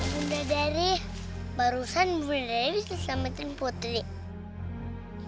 bunda dari udah sembuh ya